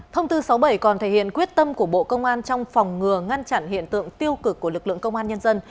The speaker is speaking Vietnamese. thông tư sáu mươi bảy còn thể hiện quyết tâm của bộ công an trong phòng ngừa ngăn chặn hiện tượng tiêu cực của lực lượng công an nhân dân